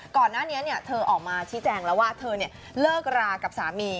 ก่อนหน้านี้เธอออกมาชี้แจงแล้วว่าเธอเลิกรากับสามี